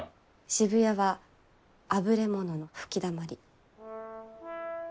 渋谷はあぶれ者の吹きだまり。